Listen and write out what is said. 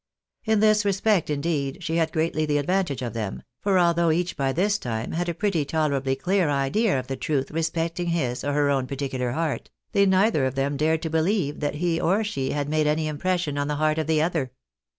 In this respect, indeed, she had greatly the advantage of them, for although each by this time had a pretty tolerably clear idea of the truth respecting his or her own particular heart, they neither of them dared to believe that he or she had made any impression on the heart of the other.